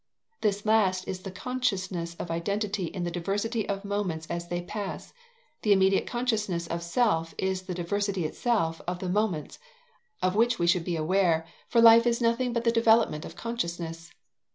This last is the consciousness of identity in the diversity of moments as they pass; the immediate consciousness of self is the diversity itself of the moments, of which we should be aware, for life is nothing but the development of consciousness.